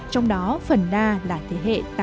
trong đó phần đa là thế hệ